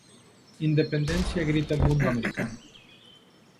Independencia grita el mundo americano;